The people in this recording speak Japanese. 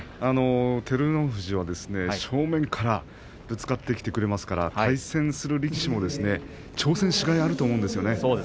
照ノ富士は正面からぶつかってきてくれますから対戦する力士も挑戦しがいがあると思うんですね。